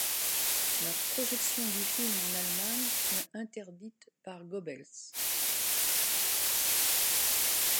La projection du film en Allemagne fut interdite par Goebbels.